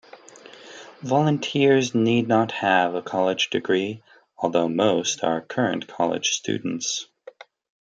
Volunteers need not have a college degree, although most are current college students.